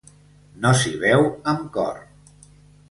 No s'hi veu amb cor.